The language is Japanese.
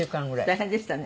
大変でしたね。